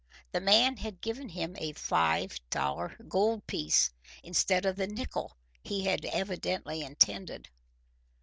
The man had given him a five dollar gold piece instead of the nickel he had evidently intended.